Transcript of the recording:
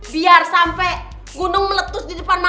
biar sampe gunung meletus di depan mama